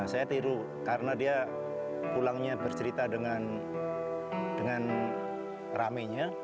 saya tiru karena dia pulangnya bercerita dengan ramenya